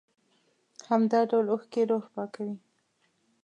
همدا ډول اوښکې روح پاکوي.